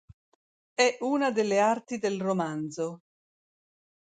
È una delle arti del romanzo.